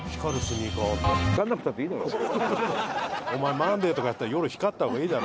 お前『マンデー』とかやってたら夜光った方がいいだろ。